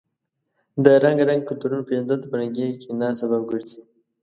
د رنګارنګ کلتورونو پیژندل د فرهنګي غنا سبب ګرځي.